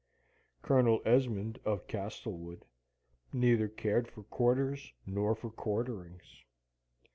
Colonel Esmond, of Castlewood, neither cared for quarters nor for quarterings.